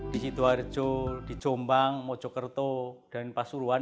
di situ harjo di jombang mojokerto dan pasuruan